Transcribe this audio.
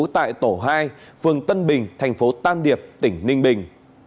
tại tổ hai phường tân bình thành phố tam điệp tỉnh ninh bình